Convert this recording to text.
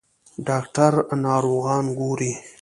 ډاکټر ناروغان ګوري.